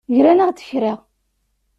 Gran-aɣ-d kra.